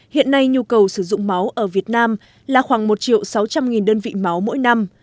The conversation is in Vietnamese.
hiện nay nhu cầu sử dụng máu ở việt nam là khoảng một triệu sáu trăm linh đơn vị máu mỗi năm